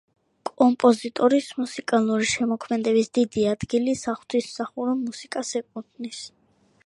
კომპოზიტორის მუსიკალური შემოქმედების დიდი ადგილი საღვთისმსახურო მუსიკას ეკუთვნის.